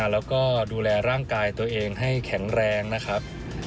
แล้วก็ดูแลร่างกายตัวเองให้แข็งแรงนะครับ